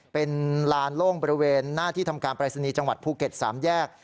เป็นลานโล่งบริเวณหน้าที่ทำการปรายศนีย์จังหวัดภูเก็ต๓แยก